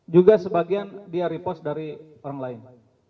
juga sebagian dia repost dari orang lain